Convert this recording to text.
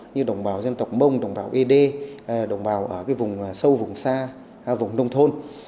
như đồng bào dân tộc mông đồng bào ed đồng bào ở vùng sâu vùng xa vùng nông thôn